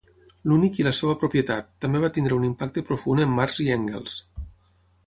"L'únic i la seva propietat" també va tenir un impacte profund en Marx i Engels.